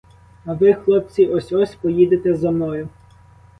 А ви, хлопці, ось-ось поїдете зо мною.